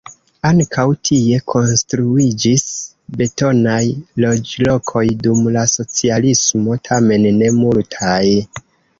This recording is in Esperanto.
Ankaŭ tie konstruiĝis betonaj loĝlokoj dum la socialismo, tamen ne multaj.